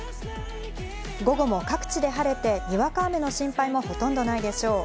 午後も各地で晴れて、にわか雨の心配もほとんどないでしょう。